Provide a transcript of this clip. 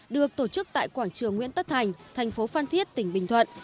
được tổ chức tại quảng trường nguyễn tất thành tp phan thiết tỉnh bình thuận